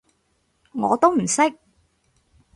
我都唔識